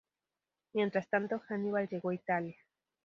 Mientras tanto, Hannibal llegó a Italia.